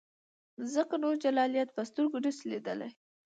ځکه نو جلالیت په سترګو نسې لیدلای.